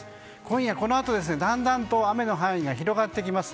今夜このあと、だんだんと雨の範囲が広がってきます。